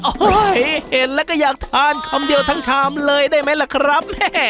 โอ้โหเห็นแล้วก็อยากทานคำเดียวทั้งชามเลยได้ไหมล่ะครับ